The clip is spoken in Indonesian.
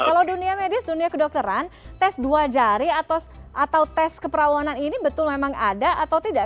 kalau dunia medis dunia kedokteran tes dua jari atau tes keperawanan ini betul memang ada atau tidak